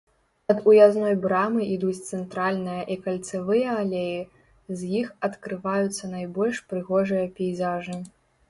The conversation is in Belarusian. Ад уязной брамы ідуць цэнтральная і кальцавыя алеі, з якіх адкрываюцца найбольш прыгожыя пейзажы.